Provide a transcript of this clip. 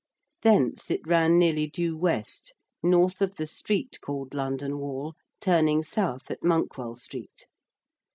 Thence it ran nearly due W., north of the street called London Wall, turning S. at Monkwell Street.